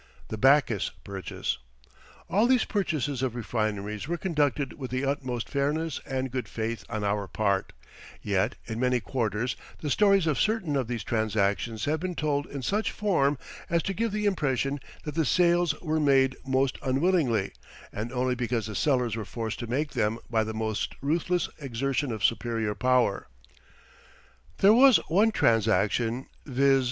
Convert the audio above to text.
THE BACKUS PURCHASE All these purchases of refineries were conducted with the utmost fairness and good faith on our part, yet in many quarters the stories of certain of these transactions have been told in such form as to give the impression that the sales were made most unwillingly and only because the sellers were forced to make them by the most ruthless exertion of superior power. There was one transaction, viz.